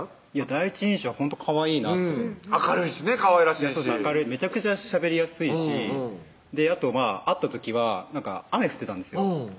第一印象はほんとかわいいなって明るいしねかわいらしいしめちゃくちゃしゃべりやすいしあと会った時は雨降ってたんですよ